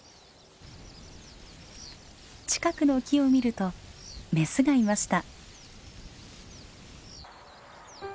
近くの木を見るとメスがいました。